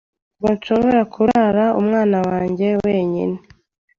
Ntabwo nshobora kurera umwana wanjye wenyine.